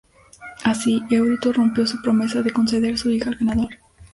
Así, Éurito rompió su promesa de conceder su hija al ganador.